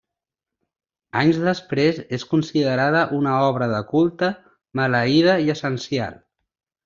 Anys després és considerada una obra de culte, maleïda i essencial.